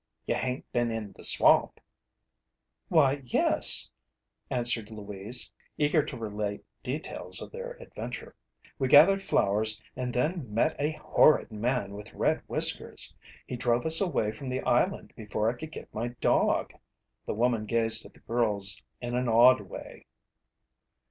"You hain't been in the swamp?" "Why, yes," answered Louise, eager to relate details of their adventure. "We gathered flowers, and then met a horrid man with red whiskers! He drove us away from the island before I could get my dog." The woman gazed at the girls in an odd way.